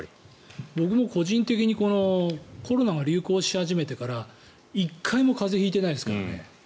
僕も個人的にコロナが流行し始めてから１回も風邪引いてないですからね。